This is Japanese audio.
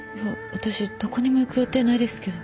私どこにも行く予定ないですけど。